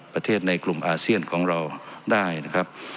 ในกลุ่มอาเซียนของเราได้นะครับ